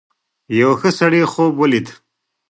یو ښه سړي خوب ولید.